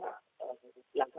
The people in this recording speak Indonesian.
itu adalah langkah